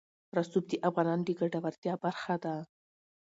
رسوب د افغانانو د ګټورتیا برخه ده.